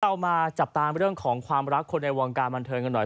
เรามาจับตามเรื่องของความรักคนในวงการบันเทิงกันหน่อย